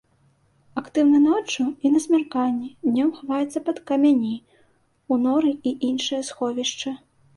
Актыўны ноччу і на змярканні, днём хаваецца пад камяні, у норы і іншыя сховішчы.